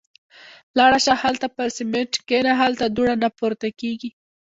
– لاړه شه. هالته پر سمڼت کېنه. هلته دوړه نه پورته کېږي.